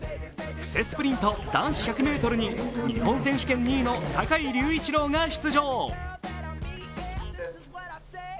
布勢スプリント男子１００ｍに、日本選手権２位の坂井隆一郎が出場。